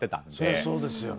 そりゃそうですよね。